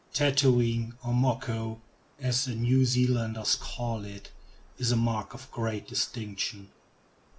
Tattooing, or "moko," as the New Zealanders call it, is a mark of great distinction.